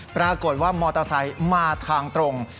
ปรากฏว่ามอเตอร์ไซค์มาทางตรง